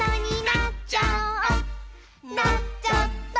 「なっちゃった！」